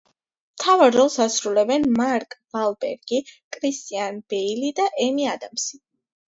მთავარ როლებს ასრულებენ მარკ ვალბერგი, კრისტიან ბეილი და ემი ადამსი.